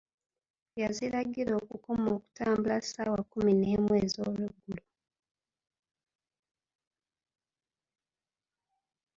Yaziragira okukoma okutambula ssaawa kkumi n'emu ez'olweggulo.